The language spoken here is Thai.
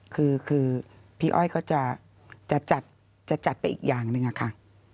คือพี่อ้อยก็จะจัดไปอีกอย่างหนึ่งอะค่ะ